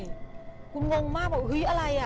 ใช่คุณงงมากบอกอะไรอะ